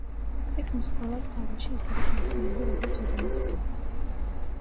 თითქმის ყველა წყაროში ის არის ნახსენები როგორც ოდინის ცოლი.